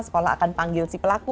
sekolah akan panggil si pelaku